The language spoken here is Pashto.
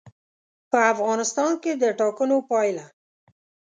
په افغانستان کې د ټاکنو پایله.